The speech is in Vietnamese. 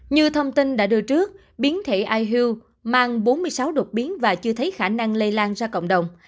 như thông tin đã đưa trước biến thể ihu mang bốn mươi sáu đột biến và chưa thấy khả năng lây lan ra cộng đồng